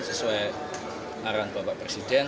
sesuai arahan bapak presiden